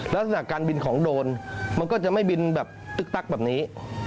แล้วสถานการณ์บินของโดรนมันก็จะไม่บินตึ๊กแบบนี้